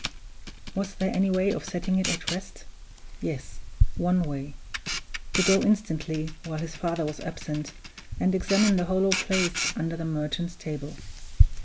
Was there any way of setting it at rest? Yes, one way to go instantly, while his father was absent, and examine the hollow place under the Merchant's Table.